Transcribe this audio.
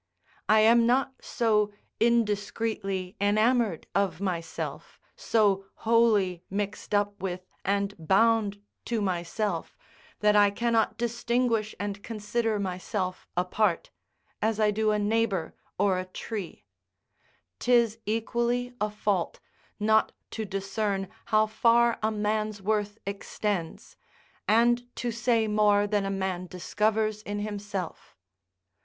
I am not so indiscreetly enamoured of myself, so wholly mixed up with, and bound to myself, that I cannot distinguish and consider myself apart, as I do a neighbour or a tree: 'tis equally a fault not to discern how far a man's worth extends, and to say more than a man discovers in himself.